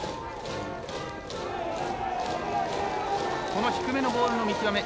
この低めのボールの見極め